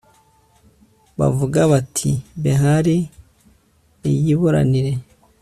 bavuga bati behali niyiburanire